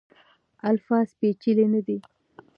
الفاظ پیچلي نه دي.